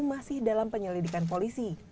masih dalam penyelidikan polisi